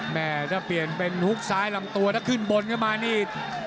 แม่ถ้าเปลี่ยนเป็นฮุกซ้ายลำตัวถ้าขึ้นบนเข้ามานี่